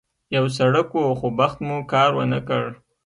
یو سړک و، خو بخت مو کار ونه کړ.